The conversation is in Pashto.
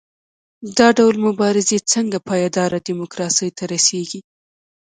دا ډول مبارزې څنګه پایداره ډیموکراسۍ ته رسیږي؟